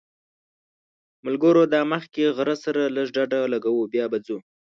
ملګرو دا مخکې غره سره لږ ډډه لګوو بیا به ځو.